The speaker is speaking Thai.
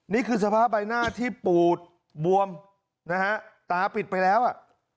นี่คือสภาพใบหน้าที่ปูดบวมนะฮะตาปิดไปแล้วอ่ะ